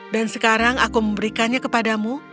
dan sekarang aku memberikannya kepadamu